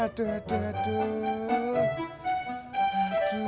aduh aduh aduh